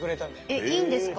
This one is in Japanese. えっいいんですか？